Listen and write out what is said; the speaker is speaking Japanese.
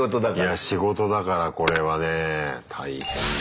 いや仕事だからこれはねえ大変だ。